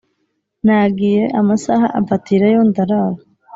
Nagiye amasaha amfatirayo ndarara